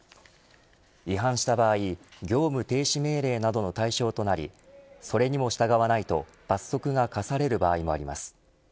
違反した場合業務停止命令などの対象となりそれにも従わないと、罰則が科される場合もあります。